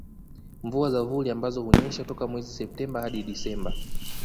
Mvua za vuli ambazo hunyesha toka mwezi Septemba hadi Desemba